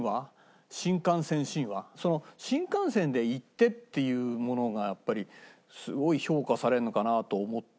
その新幹線で行ってっていうものがやっぱりすごい評価されるのかなと思って。